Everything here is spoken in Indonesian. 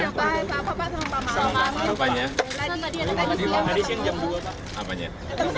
tadi bawah pak